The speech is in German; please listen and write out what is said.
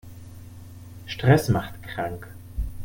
Stress macht krank.